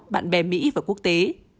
bạn bè mỹ và quốc tế